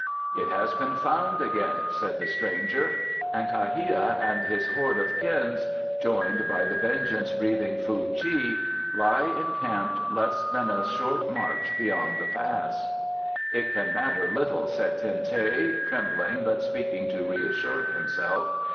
"It has been found again," said the stranger, "and Kha hia and his horde of Kins, joined by the vengeance breathing Fuh chi, lie encamped less than a short march beyond the Pass." "It can matter little," said Ten teh, trembling but speaking to reassure himself.